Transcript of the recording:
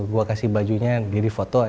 gue kasih bajunya jadi foto